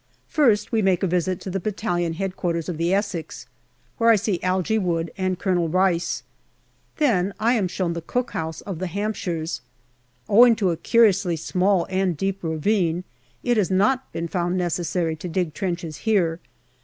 First we make a visit to the battalion H.Q. of the Essex, where I see Algy Wood and Colonel Rice ; then I am shown the cookhouse of the Hampshires. Owing to a curiously small and deep ravine, it has not been found necessary to dig trenches here.